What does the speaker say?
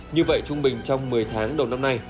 như vậy trung bình trong một mươi tháng đầu năm nay